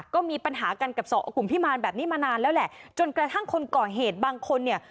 ก็มีปัญหากันกับสองกลุ่มพิมารแบบนี้มานานแล้วแหละจนกระทั่งคนก่อเหตุบางคนเนี่ย